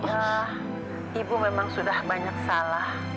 ya ibu memang sudah banyak salah